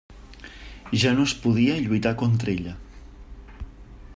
Ja no es podia lluitar contra ella.